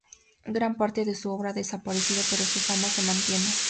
Gran parte de su obra ha desaparecido, pero su fama se mantiene.